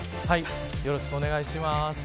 よろしくお願いします。